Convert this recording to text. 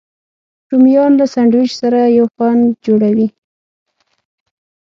رومیان له سنډویچ سره یو خوند جوړوي